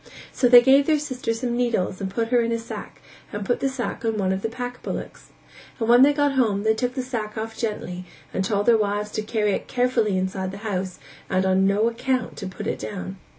So they gave their sister some needles and put her in a sack and put the sack on one of the pack bullocks. And when they got home, they took the sack off gently and told their wives to carry it carefully inside the house, and on no account to put it down.